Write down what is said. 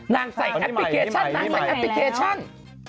นางใส่แอปพลิเคชั่นนางใส่แอปพลิเคชั่นอันนี้ใหม่